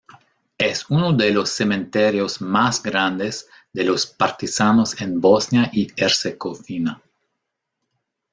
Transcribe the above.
Es uno de los cementerios más grandes de los partisanos en Bosnia y Herzegovina.